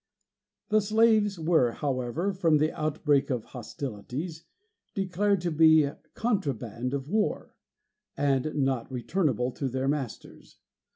The slaves were, however, from the outbreak of hostilities, declared to be "contraband of war," and not returnable to their masters.